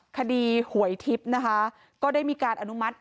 คดีหวยทิพย์นะคะก็ได้มีการอนุมัติ